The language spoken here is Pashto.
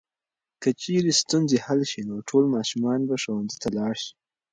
که چېرې ستونزې حل شي نو ټول ماشومان به ښوونځي ته لاړ شي.